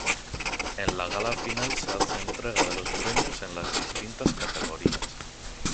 En la gala final se hace entrega de los premios en las distintas categorías.